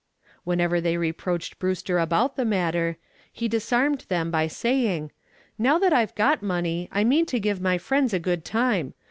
Whenever they reproached Brewster about the matter he disarmed them by saying, "Now that I've got money I mean to give my friends a good time.